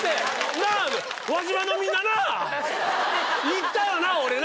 行ったよな俺な？